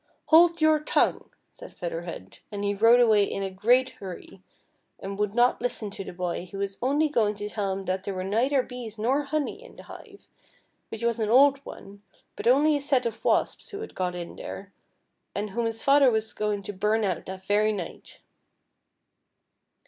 " Hold \ our tongue," said Feather Head, and he rode away in a great hurry, and would not listen to the bo}', who was only going to tell him that there were neither bees nor honey in the hive, which was an old one, but only a set of wasps who had got in there, and whom his father was going to burn out that very night.